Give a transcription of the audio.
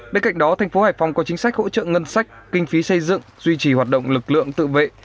bên cạnh đó thành phố hải phòng có chính sách hỗ trợ ngân sách kinh phí xây dựng duy trì hoạt động lực lượng tự vệ